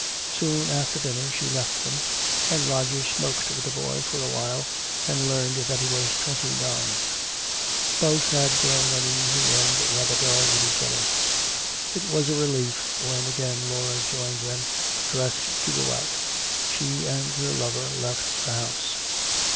Soon after dinner she left them, and Roger smoked with the boy for a while and learned that he was twenty nine. Both had grown uneasy and rather dull with each other. It was a relief when again Laura joined them, dressed to go out. She and her lover left the house.